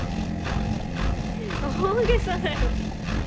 大げさだよ。